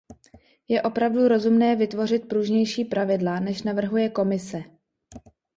Je opravdu rozumné vytvořit pružnější pravidla, než navrhuje Komise.